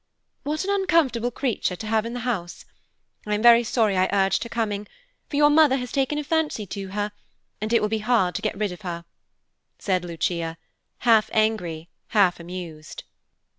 "What an uncomfortable creature to have in the house! I am very sorry I urged her coming, for your mother has taken a fancy to her, and it will be hard to get rid of her," said Lucia, half angry, half amused.